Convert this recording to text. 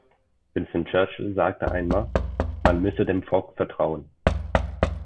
Winston Churchill sagte einmal, man müsse dem Volk vertrauen.